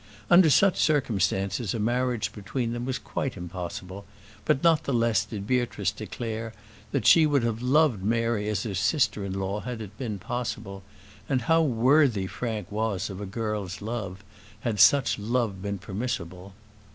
Under such circumstances a marriage between them was quite impossible; but not the less did Beatrice declare, that she would have loved Mary as her sister in law had it been possible; and how worthy Frank was of a girl's love, had such love been permissible.